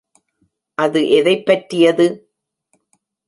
அது எதைப் பற்றியது?